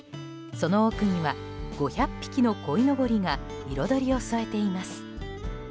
その奥には５００匹のこいのぼりが彩りを添えています。